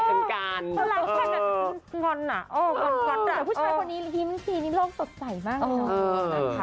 ผู้ชายคนนี้ริมทีนี้โลกสดใสมากเลย